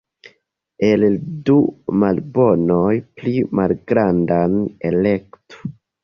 El du malbonoj pli malgrandan elektu.